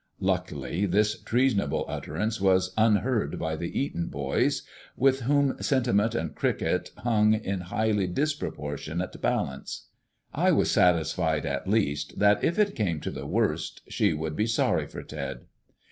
Luckily this treasonable utterance was unheard by the Eton boys, with whom sentiment and cricket hung in highly disproportionate balance. I was satisfied, at least, that if it came to the worst she would be sorry for Ted.